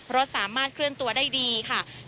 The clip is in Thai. รถสามารถเคลื่อนตัวได้ดีค่ะ